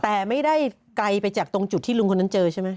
แต่ไม่ได้ไกลไปจากตรงจุดที่ลุงคนนั้นเจอใช่ไหม